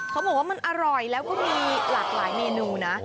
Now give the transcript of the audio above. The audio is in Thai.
เขาบอกว่ามันอร่อยแล้วก็มีหลากหลายเมนูนะ